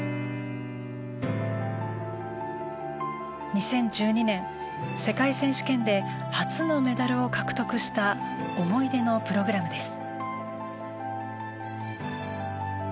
２０１２年世界選手権で初のメダルを獲得した思い出のプログラムです。